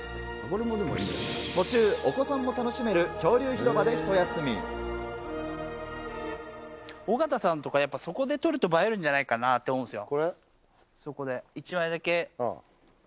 途中、お子さんも楽しめる恐竜広尾形さんとか、やっぱそこで撮ると映えるんじゃないかなって思うんですよ。